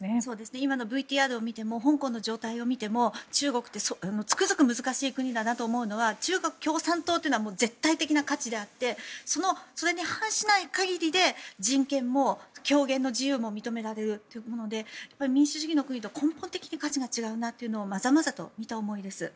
今のＶＴＲを見ても香港の状態を見ても中国ってつくづく難しい国だなと思うのは中国共産党というのは絶対的な価値であってそれに反しない限りで人権も表現の自由も認められるというもので民主主義の国と根本的に価値が違うなというのをまざまざと見た思いです。